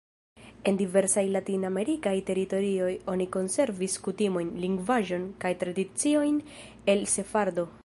En diversaj latinamerikaj teritorioj oni konservis kutimojn, lingvaĵon kaj tradiciojn el sefardoj.